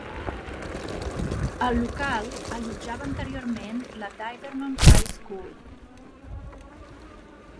El local allotjava anteriorment la Divernon High School.